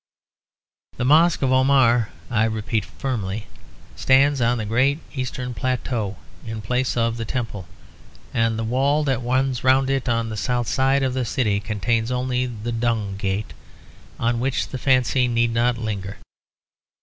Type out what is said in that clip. The Mosque of Omar (I repeat firmly) stands on the great eastern plateau in place of the Temple; and the wall that runs round to it on the south side of the city contains only the Dung Gate, on which the fancy need not linger.